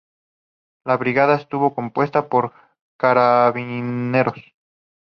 La brigada estuvo compuesta por carabineros.